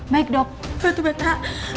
baik dok batu bata